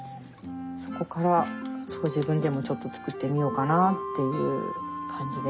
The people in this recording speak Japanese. そこから自分でもちょっと作ってみようかなという感じで。